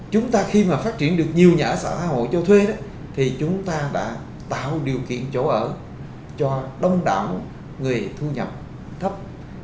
chúng ta khi mà phát triển được nhiều nhà ở xã hội cho thuê đó thì chúng ta đã tạo điều kiện chỗ ở cho đông đảo người thu nhập thấp